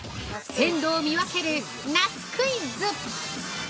鮮度を見分けるナスクイズ！